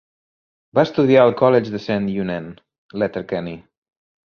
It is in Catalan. Va estudiar al College de Saint Eunan, Letterkenny.